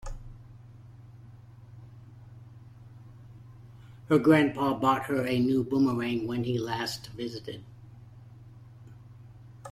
Her grandpa bought her a new boomerang when he last visited.